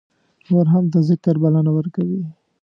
نور هم د ذکر بلنه ورکوي.